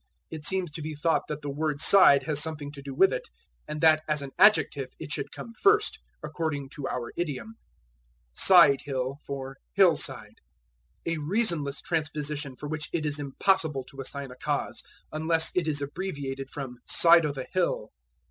It seems to be thought that the word side has something to do with it, and that as an adjective it should come first, according to our idiom. Side hill for Hillside. A reasonless transposition for which it is impossible to assign a cause, unless it is abbreviated from side o' the hill.